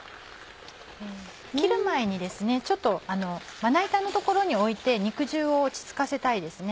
切る前にちょっとまな板の所に置いて肉汁を落ち着かせたいですね。